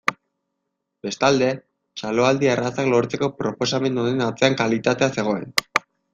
Bestalde, txaloaldi errazak lortzeko proposamen honen atzean kalitatea zegoen.